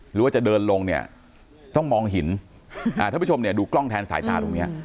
หรือว่าจะเดินลงเนี่ยต้องมองหินท่านผู้ชมเนี่ยดูกล้องแทนสายตาตรงนี้